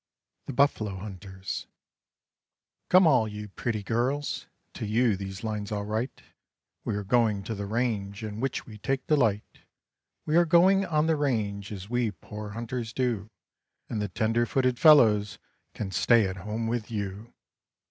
THE BUFFALO HUNTERS Come all you pretty girls, to you these lines I'll write, We are going to the range in which we take delight; We are going on the range as we poor hunters do, And the tender footed fellows can stay at home with you.